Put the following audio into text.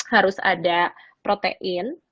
harus ada protein